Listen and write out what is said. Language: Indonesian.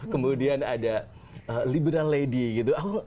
kemudian ada liberal lady gitu